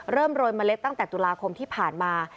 โรยเมล็ดตั้งแต่ตุลาคมที่ผ่านมา